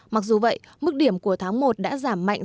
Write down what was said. mặc dù vậy mức điểm của tháng một đã giảm mạnh